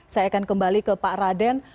saya akan kembali ke pak raden